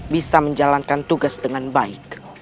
bisa menjalankan tugas dengan baik